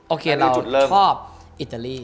โอเคเราชอบอิตาลี